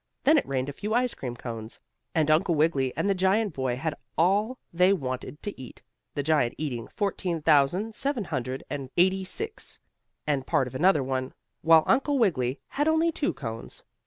Then it rained a few ice cream cones, and Uncle Wiggily and the giant boy had all they wanted to eat, the giant eating fourteen thousand seven hundred and eighty six, and part of another one, while Uncle Wiggily had only two cones.